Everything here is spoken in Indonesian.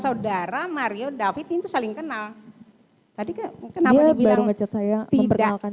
saudara saudara mario david itu saling kenal tadi ke kenapa dia bilang ngechat saya memperkenalkan